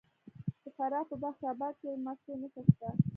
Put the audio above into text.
د فراه په بخش اباد کې د مسو نښې شته.